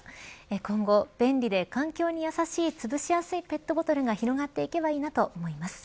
今後、便利で環境にやさしいつぶしやすいペットボトルが広がっていけばいいなと思います。